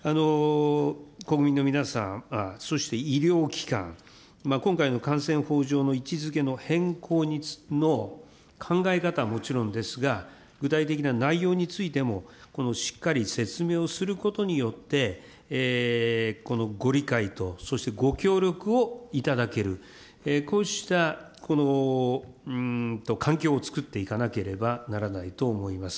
国民の皆さん、そして医療機関、今回の感染法上の位置づけの変更の考え方はもちろんですが、具体的な内容についてもしっかり説明をすることによって、このご理解と、そしてご協力をいただける、こうした環境を作っていかなければならないと思います。